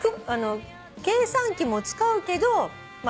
計算機も使うけどまあ